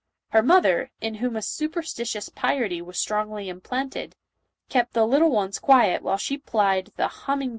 Her mother, in whom a superstitious piety was strongly implanted, kept the little ones quiet while she plied the humming JOAN OF ARC.